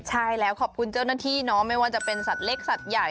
ใช่แล้วขอบคุณเจ้าหน้าที่เนาะไม่ว่าจะเป็นสัตว์เล็กสัตว์ใหญ่